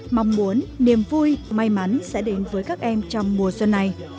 mong muốn niềm vui may mắn sẽ đến với các em trong mùa xuân này